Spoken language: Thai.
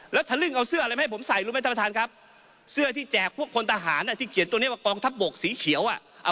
แล้วทะลึ่งเอาเสื้ออะไรมาให้ผมใส่รู้ไหมท่านประธานครับเสื้อที่แจกพวกพลทหารที่เขียนตัวนี้ว่ากองทัพบกสีเขียวอ่ะ